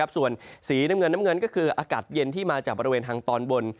ส่วนสีน้ำเงินน้ำเงินก็คืออากาศเย็นที่มาจากบริเวณทางตอนบน